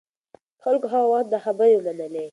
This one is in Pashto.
خلکو هغه وخت دا خبرې ومنلې.